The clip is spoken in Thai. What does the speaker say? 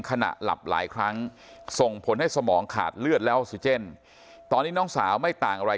ขณะหลับหลายครั้งส่งผลให้สมองขาดเลือดแล้วออกซิเจนตอนนี้น้องสาวไม่ต่างอะไร